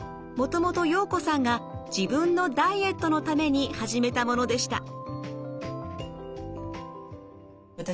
もともと洋子さんが自分のダイエットのために始めたものでした。